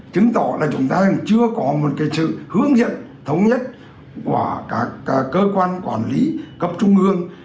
chứng tỏ là chúng ta chưa có một sự hướng nghiệp thống nhất của các cơ quan quản lý cấp trung ương